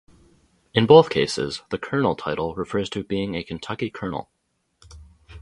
In both cases, the "Colonel" title refers to being a Kentucky colonel.